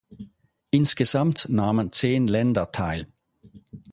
Insgesamt nahmen zehn Länder teil.